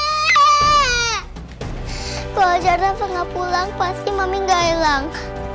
kalau jardang pernah pulang pasti mami gak hilang